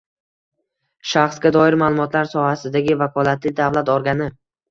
Shaxsga doir ma’lumotlar sohasidagi vakolatli davlat organi